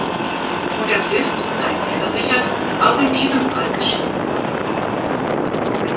Und das ist, seien Sie versichert, auch in diesem Fall geschehen.